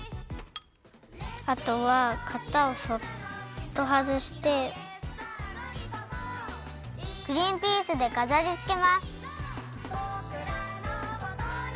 あとはかたをそっとはずしてグリンピースでかざりつけます。